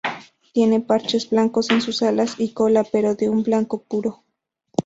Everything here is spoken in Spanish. Tiene parches blancos en sus alas y cola, pero de un blanco puro.